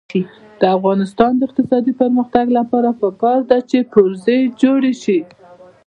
د افغانستان د اقتصادي پرمختګ لپاره پکار ده چې پرزې جوړې شي.